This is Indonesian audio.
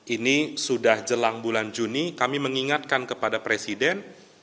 ini sudah jelang bulan juni kami mengingatkan kepada presiden